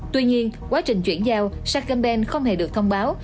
tuy nhiên quá trình chuyển giao ban không hề được thông báo